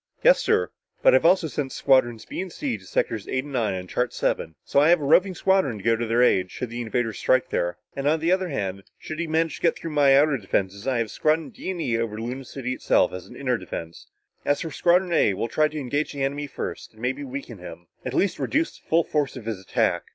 "Yes, sir. But I've also sent Squadrons B and C to sectors eight and nine on chart seven. So I have a roving squadron to go to their aid, should the invader strike there. And on the other hand, should he manage to get through my outer defense, I have Squadrons D and E over Luna City itself as an inner defense. As for Squadron A, we'll try to engage the enemy first and maybe weaken him; at least reduce the full force of his attack.